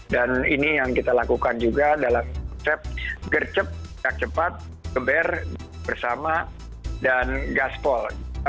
dan ini yang kita lakukan juga dalam step gercep cepat keber bersama dan gaspol